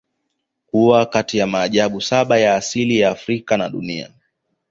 Kuwa kati ya maajabu saba ya asili ya Afrika na dunia